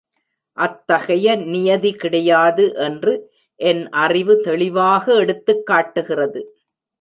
அத்தகைய நியதி கிடையாது என்று என் அறிவு தெளிவாக எடுத்துக் காட்டுகிறது.